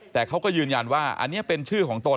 แต่เขาก็ยืนยันว่าอันนี้เป็นชื่อของตน